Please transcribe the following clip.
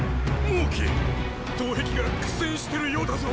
蒙毅東壁が苦戦してるようだぞ！